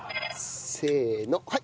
せーのはい！